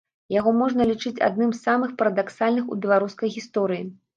Яго можна лічыць адным з самых парадаксальных у беларускай гісторыі.